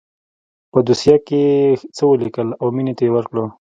په دوسيه کښې يې څه وليکل او مينې ته يې ورکړه.